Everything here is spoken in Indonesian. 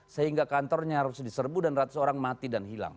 sehingga kantornya harus diserbu dan ratus orang mati dan hilang